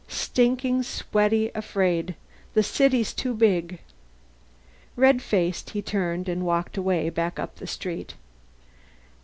Stinking sweaty afraid. The city's too big." Red faced, he turned and walked away, back up the street.